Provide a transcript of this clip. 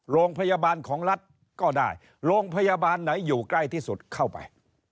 โรงพยาบาลของรัฐก็ได้โรงพยาบาลไหนอยู่ใกล้ที่สุดเข้าไป